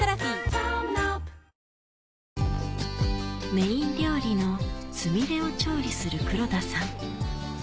メイン料理のつみれを調理する黒田さん